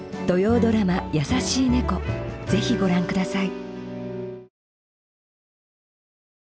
是非ご覧ください。